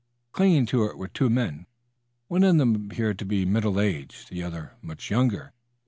Clinging to it were two men. One of them appeared to be middle aged, the other much younger.